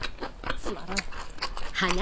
つまらん。